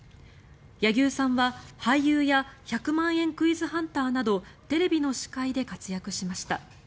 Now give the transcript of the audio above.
柳生さんは俳優や「１００万円クイズハンター」などテレビの司会で活躍しました。